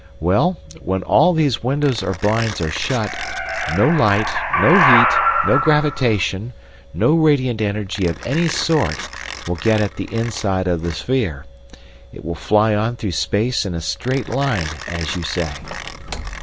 Well, when all these windows or blinds are shut, no light, no heat, no gravitation, no radiant energy of any sort will get at the inside of the sphere, it will fly on through space in a straight line, as you say.